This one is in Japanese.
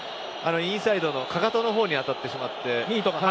インサイドのかかとのほうに当たってしまって。